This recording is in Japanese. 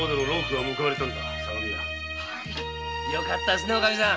よかったですねおかみさん。